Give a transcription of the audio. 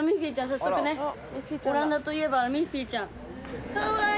早速ねオランダといえばミッフィーちゃん。